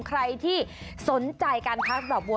ใครที่สนใจการค้าดอกบัว